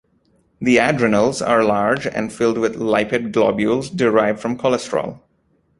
The adrenals are large and filled with lipid globules derived from cholesterol.